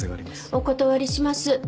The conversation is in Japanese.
お断りします。